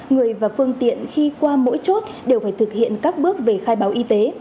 người và phương tiện khi qua mỗi chốt đều phải thực hiện các bước về khai báo y tế